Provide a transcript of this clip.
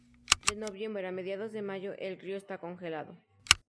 De noviembre a mediados de mayo, el río está congelado.